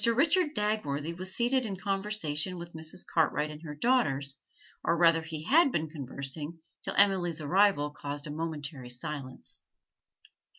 Richard Dagworthy was seated in conversation with Mrs. Cartwright and her daughters or rather he had been conversing till Emily's arrival caused a momentary silence.